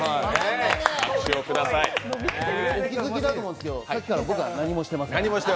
お気付きだと思うんですけどさっきから僕は何もしていません。